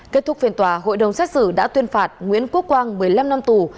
kết thúc phiên tòa hội đồng xét xử đã tuyên phạt nguyễn quốc quang một mươi năm năm tù